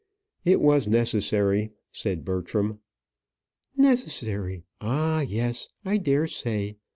"It was necessary," said Bertram. "Necessary ah, yes: I dare say.